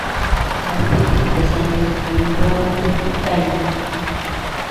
Kallipi paysanuykikunawan tupaq kanki.